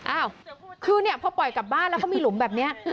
อ้าวคือเนี่ยพอปล่อยกลับบ้านแล้วเขามีหลุมแบบนี้